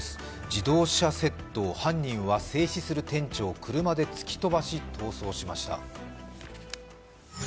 自動車窃盗、犯人は制止する店長を車で突き飛ばし逃走しました。